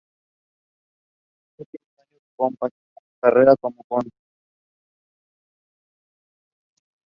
En sus últimos años compaginó su carrera como cantautor con el de la docencia.